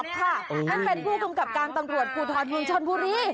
ท่านเป็นผู้กำกับการตำรวจภูทรเมืองชนบุรี